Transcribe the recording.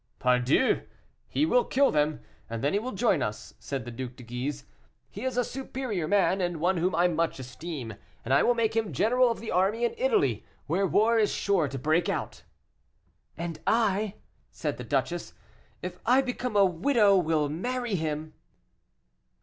"Pardieu! he will kill them, and then he will join us," said the Duc de Guise; "he is a superior man, and one whom I much esteem, and I will make him general of the army in Italy, where war is sure to break out." "And I," said the duchess, "if I become a widow, will marry him."